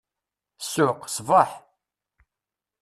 Ssuq, ṣṣbeḥ!